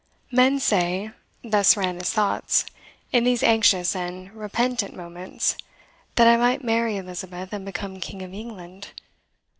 "Men say," thus ran his thoughts, in these anxious and repentant moments, "that I might marry Elizabeth, and become King of England.